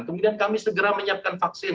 kemudian kami segera menyiapkan vaksin